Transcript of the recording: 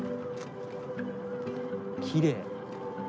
きれい。